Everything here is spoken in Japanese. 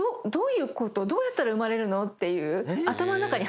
どうやったら生まれるの？っていう。